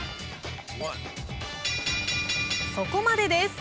そこまでです。